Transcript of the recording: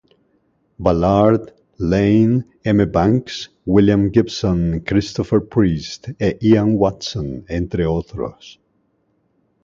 Ballard, Iain M. Banks, William Gibson, Christopher Priest e Ian Watson, entre otros.